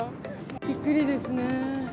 びっくりですね。